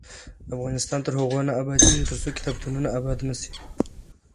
افغانستان تر هغو نه ابادیږي، ترڅو کتابتونونه اباد نشي.